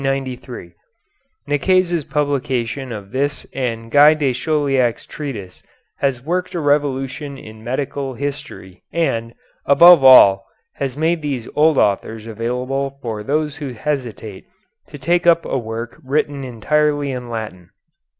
Nicaise's publication of this and of Guy de Chauliac's treatise has worked a revolution in medical history and, above all, has made these old authors available for those who hesitate to take up a work written entirely in Latin.